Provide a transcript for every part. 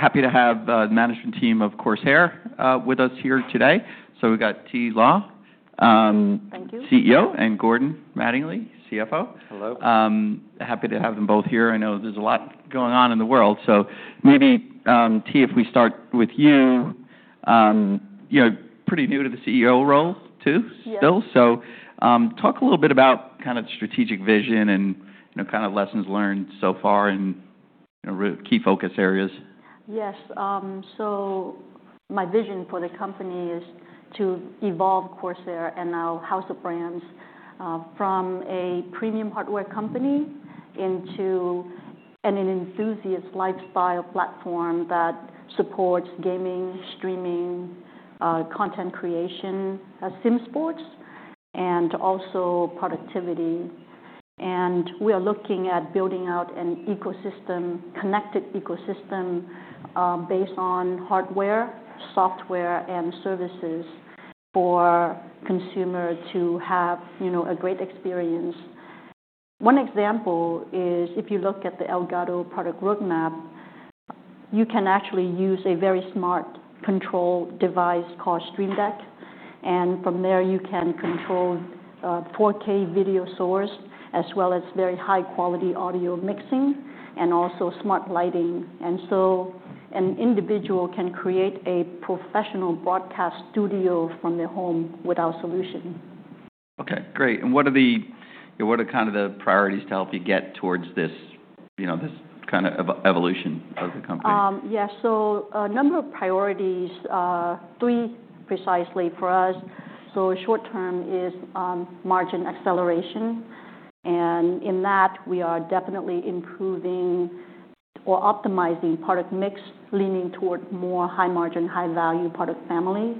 Happy to have the management team of Corsair with us here today. So we've got Thi La, CEO, and Gordon Mattingly, CFO. Hello. Happy to have them both here. I know there's a lot going on in the world. So maybe, Thi, if we start with you, you're pretty new to the CEO role too still. So talk a little bit about kind of strategic vision and kind of lessons learned so far and key focus areas. Yes. So my vision for the company is to evolve Corsair and our house of brands from a premium hardware company into an enthusiast lifestyle platform that supports gaming, streaming, content creation, Sim sports, and also productivity. And we are looking at building out an ecosystem, connected ecosystem based on hardware, software, and services for consumers to have a great experience. One example is if you look at the Elgato product roadmap, you can actually use a very smart control device called Stream Deck. And from there, you can control 4K video source as well as very high-quality audio mixing and also smart lighting. And so an individual can create a professional broadcast studio from their home without solution. Okay. Great. And what are kind of the priorities to help you get towards this kind of evolution of the company? Yeah. So a number of priorities, three precisely for us. So short term is margin acceleration. And in that, we are definitely improving or optimizing product mix, leaning toward more high-margin, high-value product family.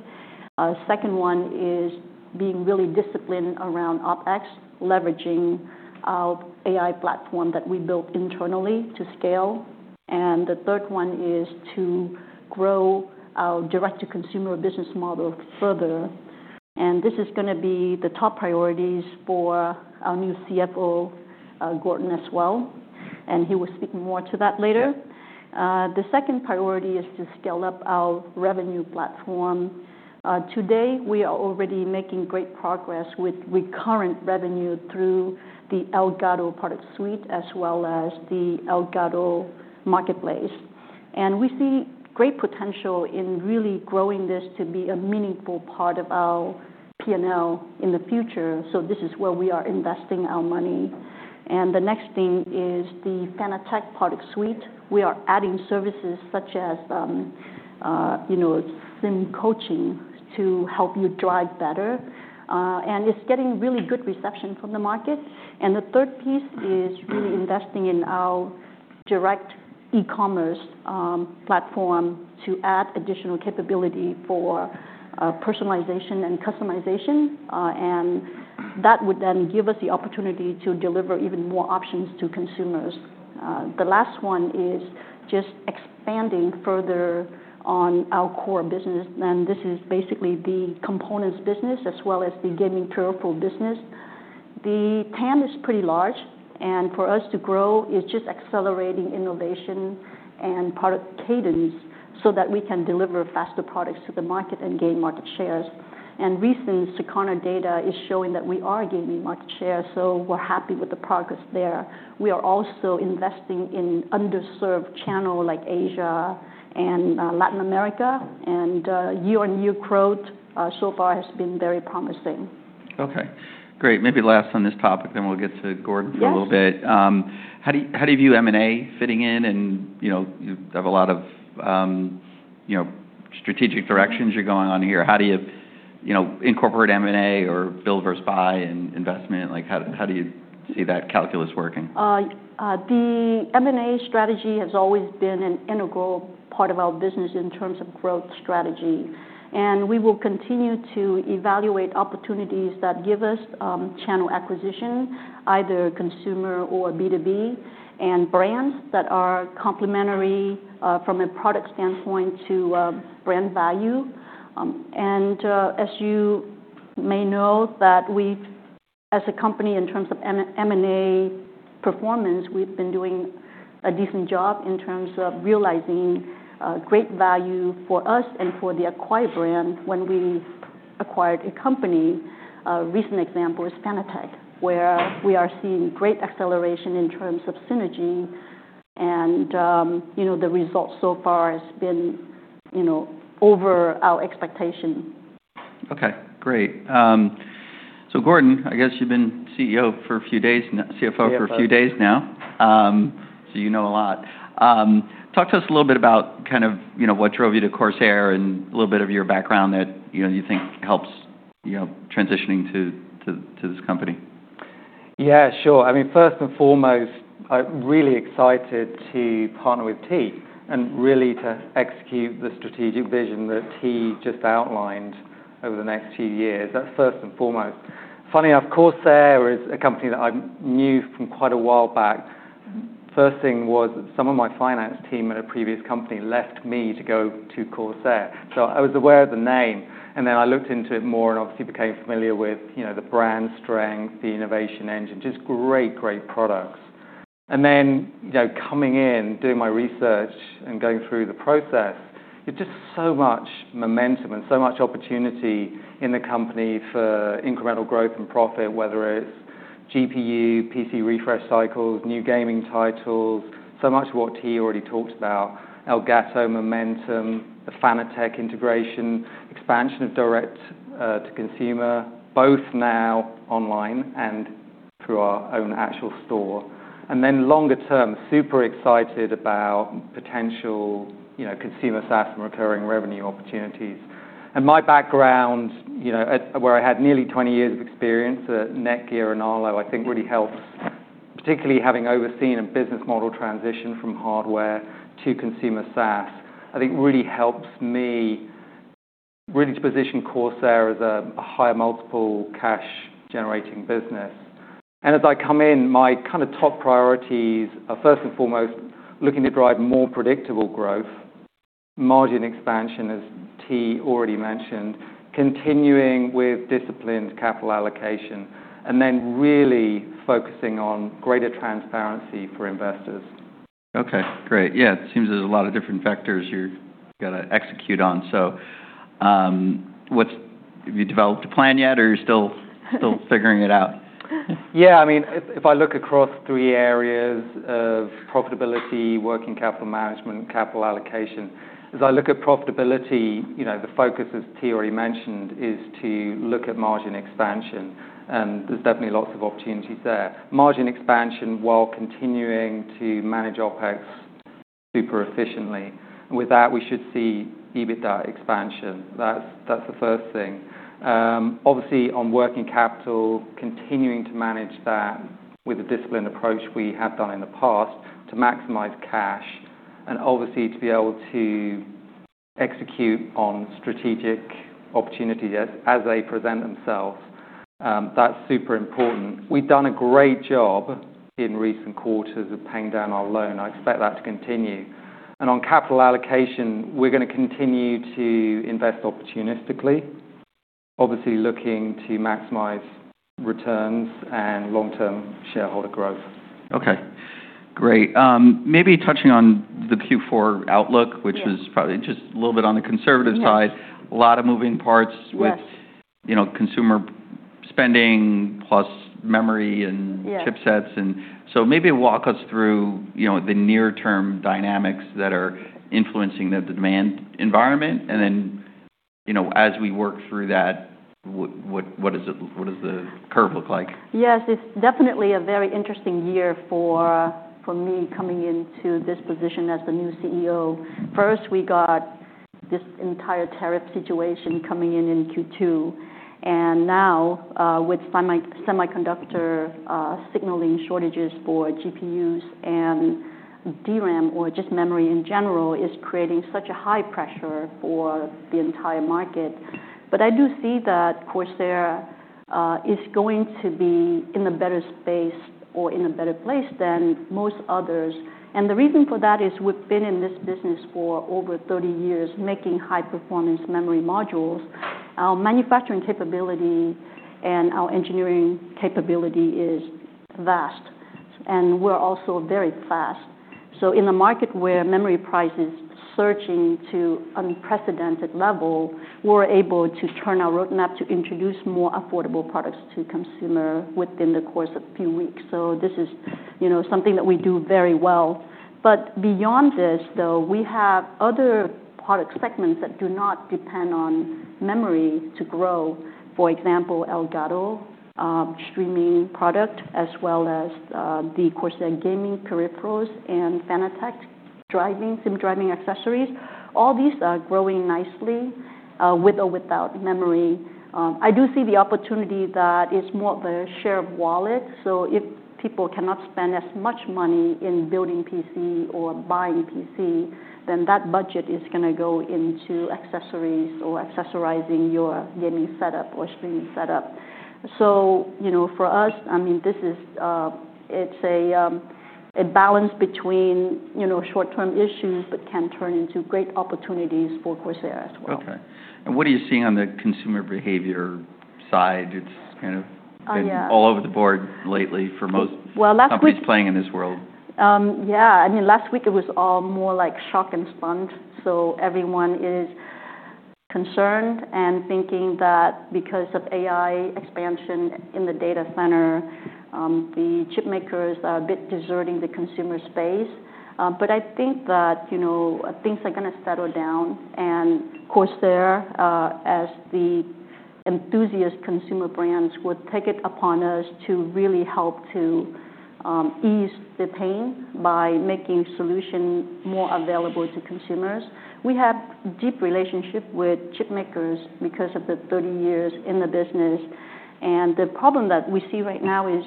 Second one is being really disciplined around OpEx, leveraging our AI platform that we built internally to scale. And the third one is to grow our direct-to-consumer business model further. And this is going to be the top priorities for our new CFO, Gordon, as well. And he will speak more to that later. The second priority is to scale up our revenue platform. Today, we are already making great progress with recurring revenue through the Elgato product suite as well as the Elgato Marketplace. And we see great potential in really growing this to be a meaningful part of our P&L in the future. So this is where we are investing our money. The next thing is the Fanatec product suite. We are adding services such as Sim coaching to help you drive better, and it's getting really good reception from the market, and the third piece is really investing in our direct e-commerce platform to add additional capability for personalization and customization, and that would then give us the opportunity to deliver even more options to consumers. The last one is just expanding further on our core business, and this is basically the components business as well as the gaming peripheral business. The TAM is pretty large, and for us to grow, it's just accelerating innovation and product cadence so that we can deliver faster products to the market and gain market shares, and recent Susquehanna data is showing that we are gaining market share, so we're happy with the progress there. We are also investing in underserved channels like Asia and Latin America, and year-on-year growth so far has been very promising. Okay. Great. Maybe last on this topic, then we'll get to Gordon for a little bit. How do you view M&A fitting in? And you have a lot of strategic directions you're going on here. How do you incorporate M&A or build versus buy and investment? How do you see that calculus working? The M&A strategy has always been an integral part of our business in terms of growth strategy. We will continue to evaluate opportunities that give us channel acquisition, either consumer or B2B, and brands that are complementary from a product standpoint to brand value. As you may know, that we as a company, in terms of M&A performance, we've been doing a decent job in terms of realizing great value for us and for the acquired brand when we acquired a company. A recent example is Fanatec, where we are seeing great acceleration in terms of synergy. The result so far has been over our expectation. Okay. Great, so Gordon, I guess you've been CEO for a few days, CFO for a few days now, so you know a lot. Talk to us a little bit about kind of what drove you to Corsair and a little bit of your background that you think helps transitioning to this company. Yeah, sure. I mean, first and foremost, I'm really excited to partner with Thi and really to execute the strategic vision that Thi just outlined over the next few years. That's first and foremost. Funny, of course, there is a company that I knew from quite a while back. First thing was some of my finance team at a previous company left me to go to Corsair. So I was aware of the name. And then I looked into it more and obviously became familiar with the brand strength, the innovation engine, just great, great products. And then coming in, doing my research, and going through the process, there's just so much momentum and so much opportunity in the company for incremental growth and profit, whether it's GPU, PC refresh cycles, new gaming titles, so much of what Thi already talked about, Elgato momentum, the Fanatec integration, expansion of direct-to-consumer, both now online and through our own actual store, and then longer term, super excited about potential consumer SaaS and recurring revenue opportunities, and my background, where I had nearly 20 years of experience at Netgear and Arlo, I think really helps, particularly having overseen a business model transition from hardware to consumer SaaS, I think really helps me really to position Corsair as a high-multiple cash-generating business. As I come in, my kind of top priorities are first and foremost looking to drive more predictable growth, margin expansion, as Thi already mentioned, continuing with disciplined capital allocation, and then really focusing on greater transparency for investors. Okay. Great. Yeah. It seems there's a lot of different vectors you've got to execute on. So have you developed a plan yet, or are you still figuring it out? Yeah. I mean, if I look across three areas of profitability, working capital management, capital allocation, as I look at profitability, the focus, as Thi already mentioned, is to look at margin expansion. And there's definitely lots of opportunities there. Margin expansion while continuing to manage OpEx super efficiently. With that, we should see EBITDA expansion. That's the first thing. Obviously, on working capital, continuing to manage that with a disciplined approach we have done in the past to maximize cash and obviously to be able to execute on strategic opportunities as they present themselves. That's super important. We've done a great job in recent quarters of paying down our loan. I expect that to continue. And on capital allocation, we're going to continue to invest opportunistically, obviously looking to maximize returns and long-term shareholder growth. Okay. Great. Maybe touching on the Q4 outlook, which is probably just a little bit on the conservative side, a lot of moving parts with consumer spending plus memory and chipsets. And so maybe walk us through the near-term dynamics that are influencing the demand environment. And then as we work through that, what does the curve look like? Yes. It's definitely a very interesting year for me coming into this position as the new CEO. First, we got this entire tariff situation coming in in Q2, and now with semiconductor signaling shortages for GPUs and DRAM, or just memory in general, is creating such a high pressure for the entire market, but I do see that Corsair is going to be in a better space or in a better place than most others, and the reason for that is we've been in this business for over 30 years making high-performance memory modules. Our manufacturing capability and our engineering capability is vast, and we're also very fast, so in a market where memory prices are surging to unprecedented levels, we're able to turn our roadmap to introduce more affordable products to consumers within the course of a few weeks, so this is something that we do very well. But beyond this, though, we have other product segments that do not depend on memory to grow. For example, Elgato streaming product as well as the Corsair gaming peripherals and Fanatec driving, Sim driving accessories. All these are growing nicely with or without memory. I do see the opportunity that it's more of a share of wallet. So if people cannot spend as much money in building PC or buying PC, then that budget is going to go into accessories or accessorizing your gaming setup or streaming setup. So for us, I mean, it's a balance between short-term issues but can turn into great opportunities for Corsair as well. Okay. And what are you seeing on the consumer behavior side? It's kind of been all over the board lately for most companies playing in this world. Yeah. I mean, last week, it was all more like shock and stunt. So everyone is concerned and thinking that because of AI expansion in the data center, the chipmakers are a bit deserting the consumer space. But I think that things are going to settle down. And Corsair, as the enthusiast consumer brands, will take it upon us to really help to ease the pain by making solutions more available to consumers. We have a deep relationship with chipmakers because of the 30 years in the business. And the problem that we see right now is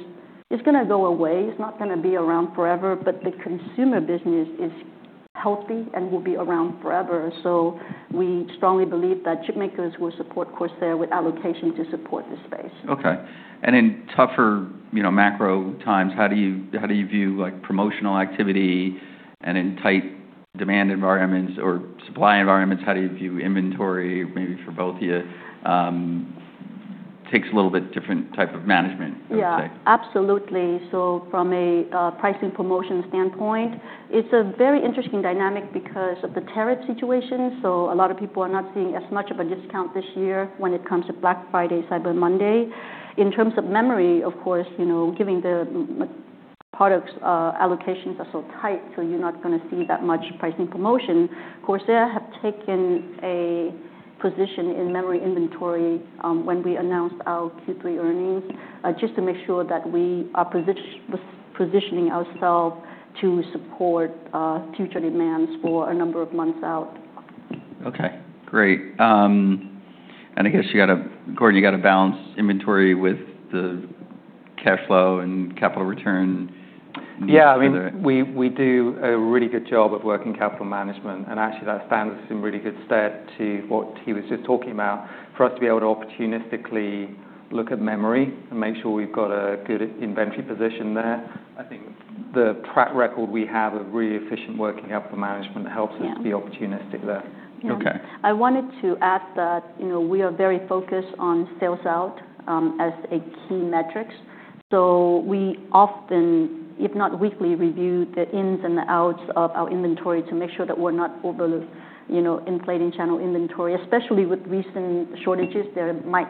it's going to go away. It's not going to be around forever. But the consumer business is healthy and will be around forever. So we strongly believe that chipmakers will support Corsair with allocation to support the space. Okay. And in tougher macro times, how do you view promotional activity and in tight demand environments or supply environments, how do you view inventory maybe for both of you? Takes a little bit different type of management, I would say. Yeah. Absolutely. So from a pricing promotion standpoint, it's a very interesting dynamic because of the tariff situation. So a lot of people are not seeing as much of a discount this year when it comes to Black Friday, Cyber Monday. In terms of memory, of course, given the product allocations are so tight, so you're not going to see that much pricing promotion. Corsair has taken a position in memory inventory when we announced our Q3 earnings just to make sure that we are positioning ourselves to support future demands for a number of months out. Okay. Great. And I guess you got to, Gordon, you got to balance inventory with the cash flow and capital return. Yeah. I mean, we do a really good job of working capital management. And actually, that stands us in really good stead to what Thi was just talking about. For us to be able to opportunistically look at memory and make sure we've got a good inventory position there, I think the track record we have of really efficient working capital management helps us be opportunistic there. I wanted to add that we are very focused on sell-out as a key metric. So we often, if not weekly, review the ins and the outs of our inventory to make sure that we're not overly inflating channel inventory, especially with recent shortages. There might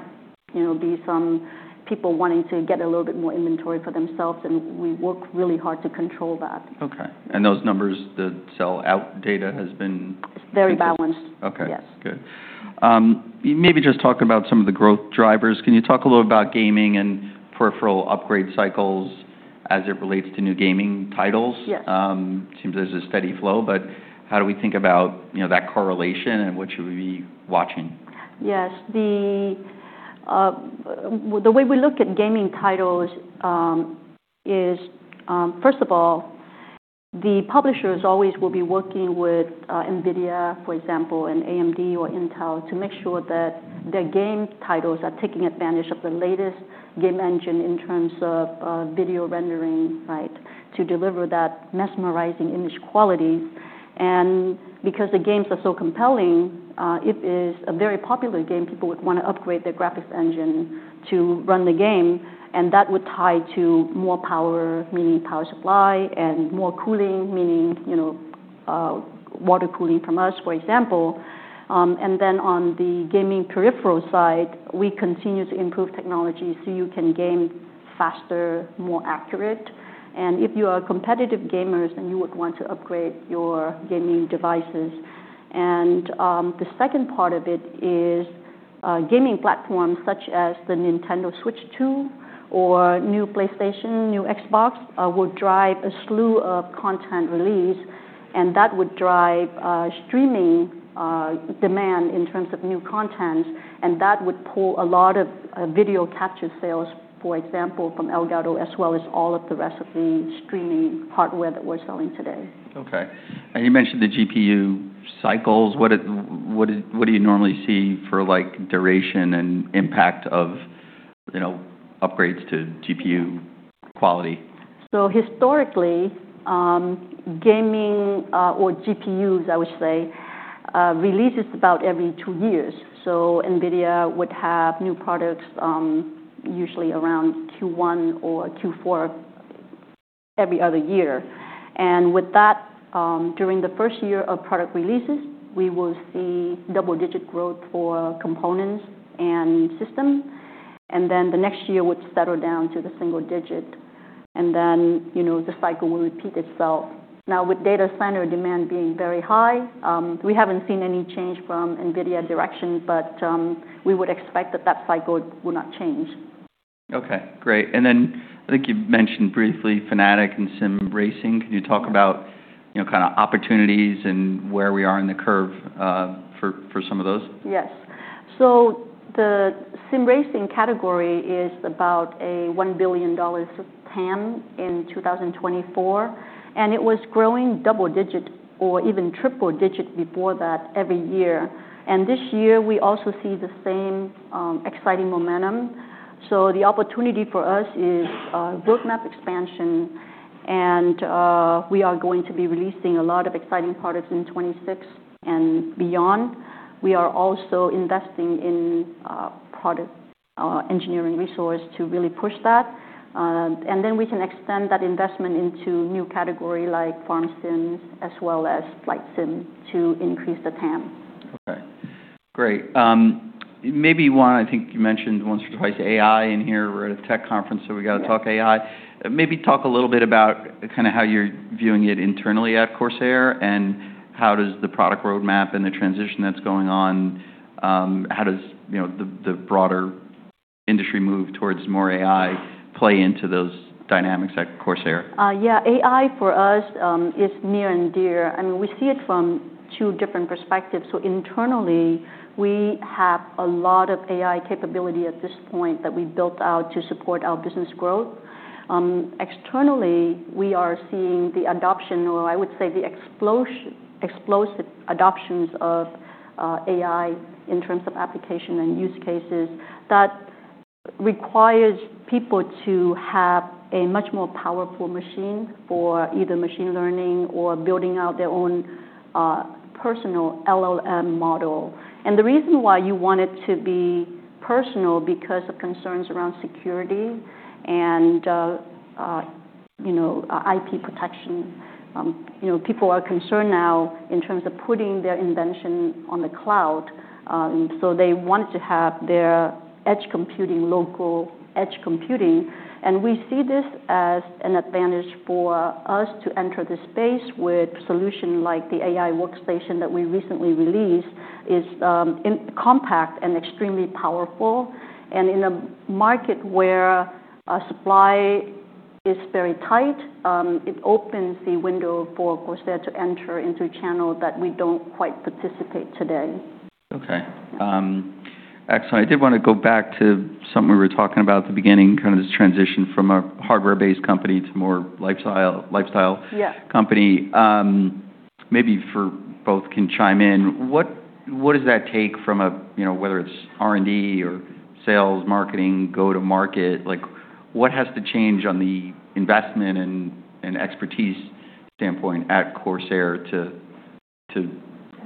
be some people wanting to get a little bit more inventory for themselves. And we work really hard to control that. Okay. And those numbers, the sell-out data has been? Very balanced. Yes. Okay. Good. Maybe just talking about some of the growth drivers, can you talk a little about gaming and peripheral upgrade cycles as it relates to new gaming titles? It seems there's a steady flow, but how do we think about that correlation and what should we be watching? Yes. The way we look at gaming titles is, first of all, the publishers always will be working with NVIDIA, for example, and AMD or Intel to make sure that their game titles are taking advantage of the latest game engine in terms of video rendering, right, to deliver that mesmerizing image quality. And because the games are so compelling, if it's a very popular game, people would want to upgrade their graphics engine to run the game. And that would tie to more power, meaning power supply, and more cooling, meaning water cooling from us, for example. And then on the gaming peripheral side, we continue to improve technology so you can game faster, more accurate. And if you are competitive gamers, then you would want to upgrade your gaming devices. And the second part of it is gaming platforms such as the Nintendo Switch 2, or new PlayStation, new Xbox will drive a slew of content release. And that would drive streaming demand in terms of new content. And that would pull a lot of video capture sales, for example, from Elgato as well as all of the rest of the streaming hardware that we're selling today. Okay. And you mentioned the GPU cycles. What do you normally see for duration and impact of upgrades to GPU quality? So historically, gaming or GPUs, I would say, releases about every two years. So NVIDIA would have new products usually around Q1 or Q4 every other year. And with that, during the first year of product releases, we will see double-digit growth for components and systems. And then the next year would settle down to the single-digit. And then the cycle will repeat itself. Now, with data center demand being very high, we haven't seen any change from NVIDIA direction, but we would expect that that cycle will not change. Okay. Great. And then I think you mentioned briefly Fanatec and Sim racing. Can you talk about kind of opportunities and where we are in the curve for some of those? Yes, so the Sim racing category is about a $1 billion TAM in 2024, and it was growing double-digit or even triple-digit before that every year, and this year, we also see the same exciting momentum, so the opportunity for us is roadmap expansion, and we are going to be releasing a lot of exciting products in 2026 and beyond. We are also investing in product engineering resources to really push that, and then we can extend that investment into new categories like farm Sims as well as flight Sim to increase the TAM. Okay. Great. Maybe one, I think you mentioned once or twice AI in here. We're at a tech conference, so we got to talk AI. Maybe talk a little bit about kind of how you're viewing it internally at Corsair and how does the product roadmap and the transition that's going on, how does the broader industry move towards more AI play into those dynamics at Corsair? Yeah. AI for us is near and dear. I mean, we see it from two different perspectives. So internally, we have a lot of AI capability at this point that we built out to support our business growth. Externally, we are seeing the adoption, or I would say the explosive adoptions of AI in terms of application and use cases that requires people to have a much more powerful machine for either machine learning or building out their own personal LLM model. And the reason why you want it to be personal is because of concerns around security and IP protection. People are concerned now in terms of putting their invention on the cloud. So they wanted to have their edge computing, local edge computing. And we see this as an advantage for us to enter the space with a solution like the AI workstation that we recently released, is compact and extremely powerful. And in a market where supply is very tight, it opens the window for Corsair to enter into a channel that we don't quite participate in today. Okay. Excellent. I did want to go back to something we were talking about at the beginning, kind of this transition from a hardware-based company to more lifestyle company. Maybe for both can chime in. What does that take from a, whether it's R&D or sales, marketing, go-to-market? What has to change on the investment and expertise standpoint at Corsair to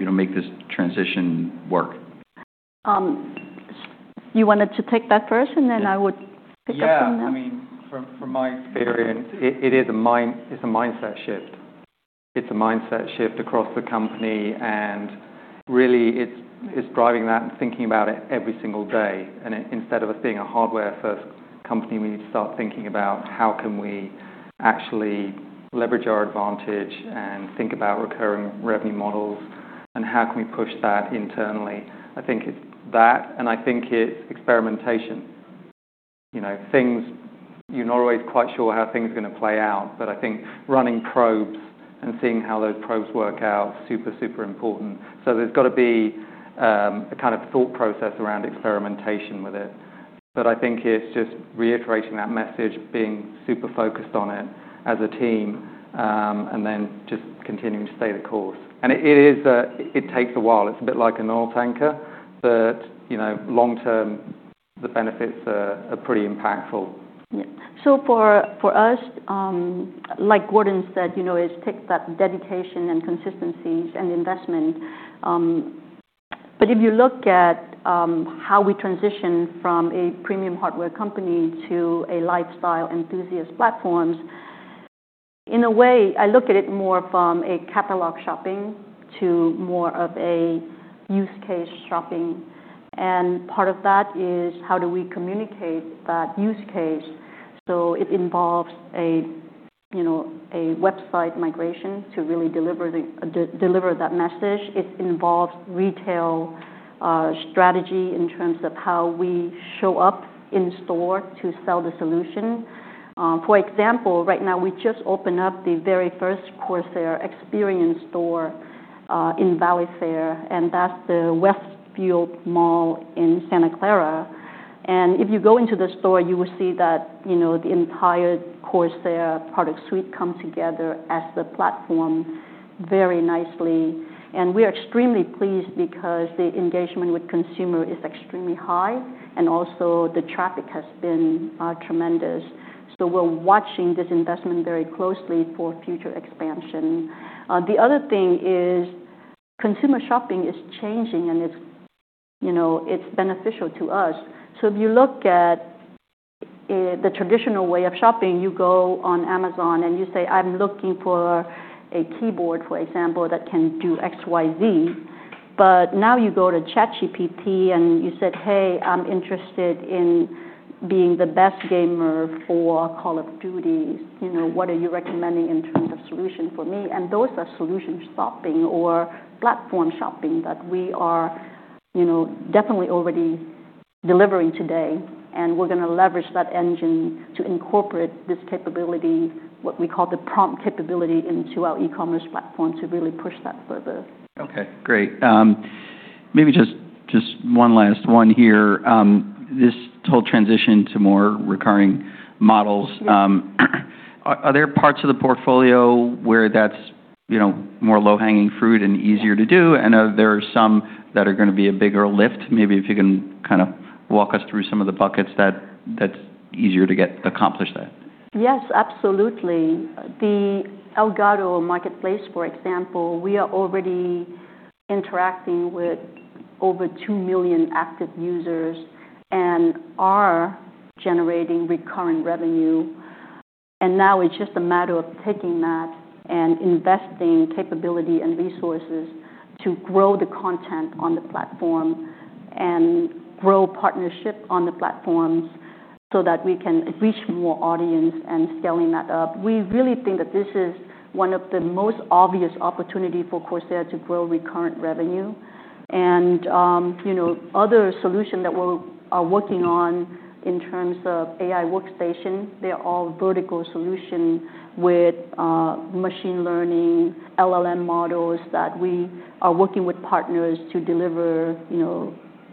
make this transition work? You wanted to take that first, and then I would pick up from there. Yeah. I mean, from my experience, it's a mindset shift. It's a mindset shift across the company. And really, it's driving that and thinking about it every single day. And instead of us being a hardware-first company, we need to start thinking about how can we actually leverage our advantage and think about recurring revenue models and how can we push that internally. I think it's that. And I think it's experimentation. You're not always quite sure how things are going to play out. But I think running probes and seeing how those probes work out is super, super important. So there's got to be a kind of thought process around experimentation with it. But I think it's just reiterating that message, being super focused on it as a team, and then just continuing to stay the course. And it takes a while. It's a bit like an oil tanker, but long-term, the benefits are pretty impactful. Yeah, so for us, like Gordon said, it takes that dedication and consistency and investment, but if you look at how we transition from a premium hardware company to a lifestyle enthusiast platforms, in a way, I look at it more from a catalog shopping to more of a use case shopping, and part of that is how do we communicate that use case, so it involves a website migration to really deliver that message. It involves retail strategy in terms of how we show up in store to sell the solution. For example, right now, we just opened up the very first Corsair Experience Store in Valley Fair, and that's the Westfield Mall in Santa Clara, and if you go into the store, you will see that the entire Corsair product suite comes together as the platform very nicely. And we are extremely pleased because the engagement with consumers is extremely high. And also, the traffic has been tremendous. So we're watching this investment very closely for future expansion. The other thing is consumer shopping is changing, and it's beneficial to us. So if you look at the traditional way of shopping, you go on Amazon and you say, "I'm looking for a keyboard, for example, that can do X, Y, Z." But now you go to ChatGPT and you said, "Hey, I'm interested in being the best gamer for Call of Duty. What are you recommending in terms of solution for me?" And those are solution shopping or platform shopping that we are definitely already delivering today. And we're going to leverage that engine to incorporate this capability, what we call the prompt capability, into our e-commerce platform to really push that further. Okay. Great. Maybe just one last one here. This whole transition to more recurring models, are there parts of the portfolio where that's more low-hanging fruit and easier to do? And are there some that are going to be a bigger lift? Maybe if you can kind of walk us through some of the buckets that's easier to get accomplished at? Yes, absolutely. The Elgato Marketplace.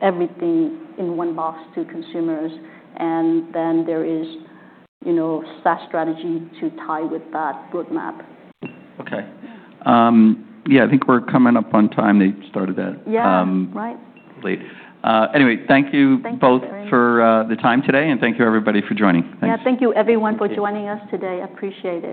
Okay. Yeah. I think we're coming up on time. They started that. Yeah. Right. Anyway, thank you both for the time today. And thank you, everybody, for joining. Thanks. Yeah. Thank you, everyone, for joining us today. I appreciate it.